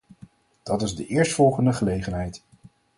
Dat is de eerstvolgende gelegenheid.